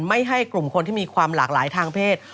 ไม่ให้กลุ่มคนที่มีความหลากหลายทางเพศ